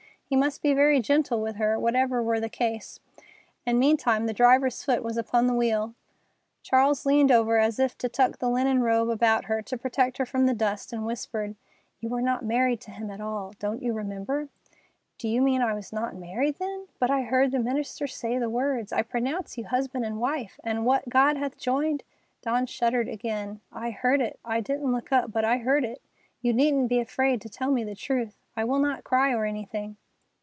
He must be very gentle with her, whatever were the case. And meantime the driver's foot was upon the wheel. Charles leaned over as if to tuck the linen robe about her to protect her from the dust, and whispered: "You were not married to him at all. Don't you remember?" "Do you mean I was not married, then? But I heard the minister say the words, 'I pronounce you husband and wife, and what God hath joined——'" Dawn shuddered again. "I heard it. I didn't look up, but I heard it. You needn't be afraid to tell me the truth. I will not cry or anything."